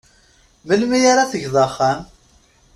Melmi ara tgeḍ axxam?